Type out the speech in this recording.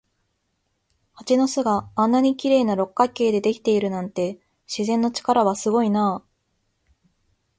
蜂の巣があんなに綺麗な六角形でできているなんて、自然の力はすごいなあ。